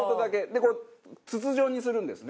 で筒状にするんですね。